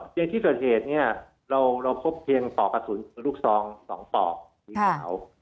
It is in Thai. ในที่เกิดเหตุเนี่ยเราพบเพียงปอกกระสุนปืนลูกซอง๒ปอกสีขาว